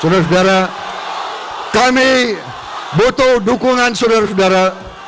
saudara saudara kami butuh dukungan saudara saudara